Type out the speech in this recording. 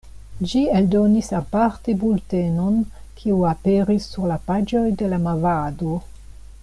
Ĝi eldonis aparte bultenon, kiu aperis sur la paĝoj de La Movado.